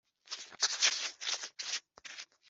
Ntiyikange nze tujye inama